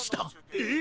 えっ？